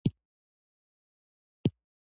ماضي فعل هغه دی چې د یو کار تر سره کېدل بیانوي.